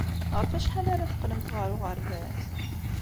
Ɣef wacḥal ara teqqlemt ɣer uɣerbaz?